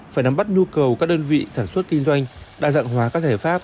phải nắm bắt nhu cầu các đơn vị sản xuất kinh doanh đa dạng hóa các giải pháp